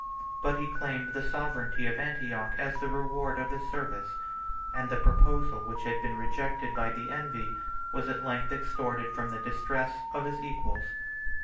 921 But he claimed the sovereignty of Antioch as the reward of his service; and the proposal which had been rejected by the envy, was at length extorted from the distress, of his equals.